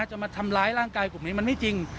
จะมาทำร้ายร่างกายกลุ่มนี้มันไม่จริง